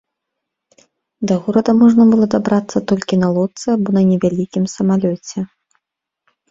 Да горада можна было дабрацца толькі на лодцы або на невялікім самалёце.